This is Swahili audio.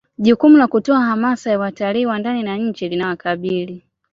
jukumu la kutoa hamasa ya watalii wa ndani na nje linawakabili